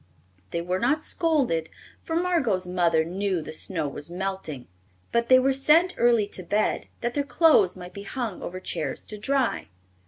They were not scolded, for Margot's mother knew the snow was melting, but they were sent early to bed that their clothes might be hung over chairs to dry.